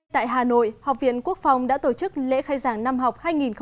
tại hà nội học viện quốc phòng đã tổ chức lễ khai giảng năm học hai nghìn hai mươi hai nghìn hai mươi